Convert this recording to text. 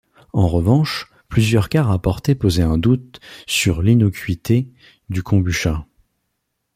En revanche, plusieurs cas rapportés posaient un doute sur l'innocuité du kombucha.